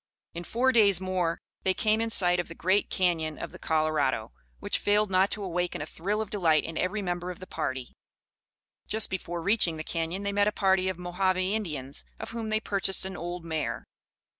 In four days more they came in sight of the great Cañon of the Colorado, which failed not to awaken a thrill of delight in every member of the party. Just before reaching the Cañon they met a party of Mohave Indians, of whom they purchased an old mare.